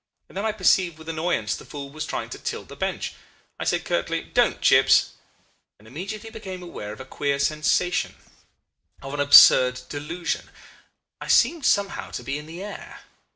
and then I perceived with annoyance the fool was trying to tilt the bench. I said curtly, 'Don't, Chips,' and immediately became aware of a queer sensation, of an absurd delusion, I seemed somehow to be in the air.